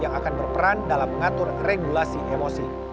yang akan berperan dalam mengatur regulasi emosi